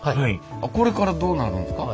これからどうなるんですか？